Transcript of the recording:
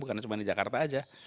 bukan cuma di jakarta aja